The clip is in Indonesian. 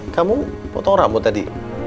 kamu foto rambut tadi